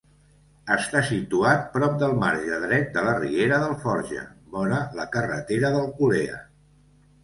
Està situat prop del marge dret de la riera d'Alforja, vora la carretera d'Alcolea.